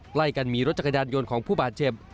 ใกล้กันมีรถจักรยานยนต์ของผู้บาดเจ็บ